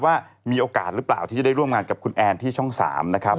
ว่ามีโอกาสหรือเปล่าที่จะได้ร่วมงานกับคุณแอนที่ช่อง๓นะครับ